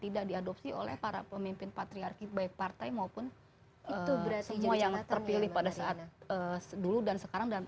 tidak diadopsi oleh para pemimpin patriarki baik partai maupun semua yang terpilih pada saat dulu dan sekarang